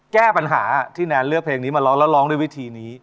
แก้ปัญหาที่แนนเลือกเพลงนี้